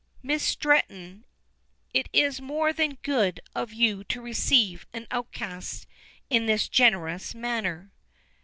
"Miss Stretton, it is more than good of you to receive an outcast in this generous manner."